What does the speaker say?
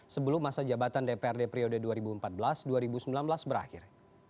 sebelum masa jabatan dprd periode dua ribu empat belas dua ribu sembilan belas berakhir